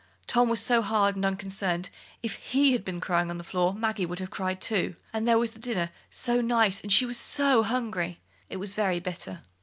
Tom was so hard and unconcerned; if he had been crying on the floor, Maggie would have cried, too. And there was the dinner, so nice; and she was so hungry. It was very bitter.